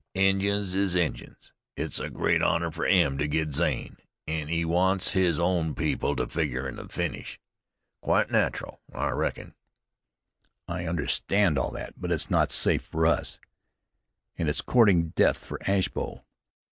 Injuns is Injuns. It's a great honor fer him to git Zane, an' he wants his own people to figger in the finish. Quite nat'r'l, I reckon." "I understand all that; but it's not safe for us, and it's courting death for Ashbow.